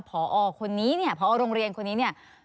พอคนนี้เนี่ยพอโรงเรียนคนนี้เนี่ย